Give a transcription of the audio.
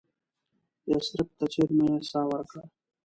یثرب ته څېرمه یې ساه ورکړه.